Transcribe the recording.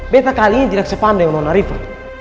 minta kalian tidak sepandai sama riffy